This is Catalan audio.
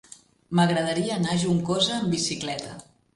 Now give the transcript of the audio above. M'agradaria anar a Juncosa amb bicicleta.